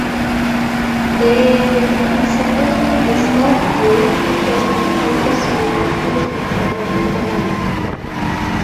The is supporting a small group interested in pursuing a PhD title informally.